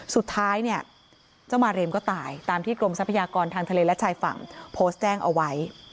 สุดท้ายเนี่ยเจ้ามาเรมก็ตายตามที่กรมทรัพยากรทางทะเลและชายฝั่งโพสต์แจ้งเอาไว้